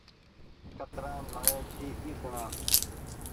ڪترآم لآيو ڇي اي سوڻآ ۔